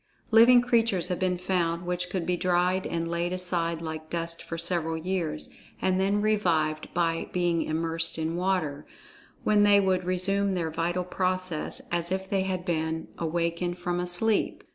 Living creatures have been found which could be dried and laid aside like dust for several years, and then revived by being immersed in water, when they would resume their vital process as if they had been awakened from a sleep.